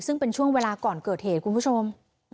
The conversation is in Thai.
ซึ่งเป็นช่วงเวลาก่อนเกิดเหตุคุณผู้ชม